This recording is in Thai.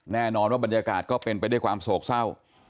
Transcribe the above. แน่นอนว่าบรรยากาศก็เป็นไปด้วยความโศกเศร้า